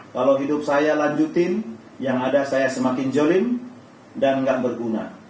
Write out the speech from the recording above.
kalau hidup saya lanjutin yang ada saya semakin jorin dan nggak berguna